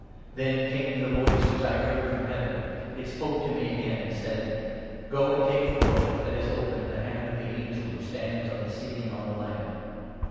Then came the voice which I had heard from Heaven. It spoke to me again, and said —' Go and take the book that is open in the hand of the angel who stands on the sea and on the land.'